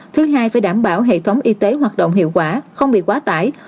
thứ hai phải đảm bảo hệ thống y tế hoạt động hiệu quả không bị quá tải